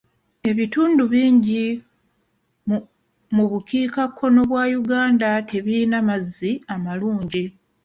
Ebitundu bingi mu bukiikakkono bwa Uganda tebiyina mazzi amalungi.